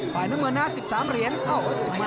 ฝ่ายน้ำเงินนะ๑๓เหรียญ